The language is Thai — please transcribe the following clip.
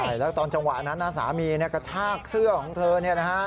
ใช่แล้วตอนจังหวะนั้นนะสามีกระชากเสื้อของเธอเนี่ยนะฮะ